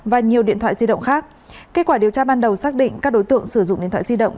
và nhiều điện thoại di động khác kết quả điều tra ban đầu xác định các đối tượng sử dụng điện thoại di động